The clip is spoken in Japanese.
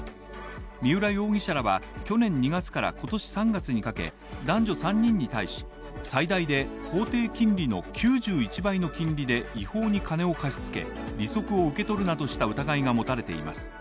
三浦容疑者らは去年２月から今年３月にかけ、男女３人に対し、最大で法定金利の９１倍の金利で違法に金を貸し付け、利息を受け取るなどした疑いが持たれています。